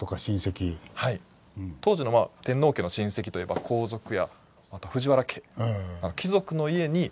当時の天皇家の親戚といえば皇族やあと藤原家。